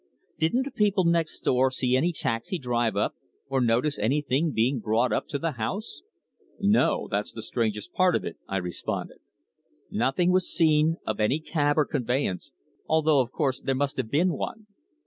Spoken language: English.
"Didn't the people next door see any taxi drive up, or notice anything being brought up to the house?" "No. That's the strangest part of it," I responded. "Nothing was seen of any cab or conveyance, although, of course, there must have been one."